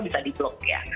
bisa di block ya